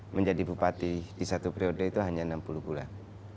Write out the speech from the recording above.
menjadi bupati di satu periode itu hanya enam puluh bulan